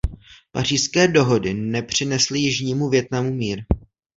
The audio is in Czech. Pařížské dohody nepřinesly Jižnímu Vietnamu mír.